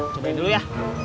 cobain dulu ya